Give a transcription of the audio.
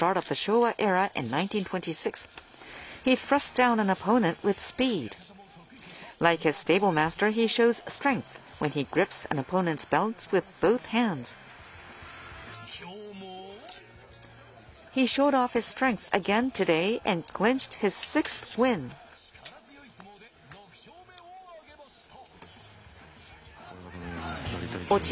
ぶちかまして力強い相撲で６勝目を挙げました。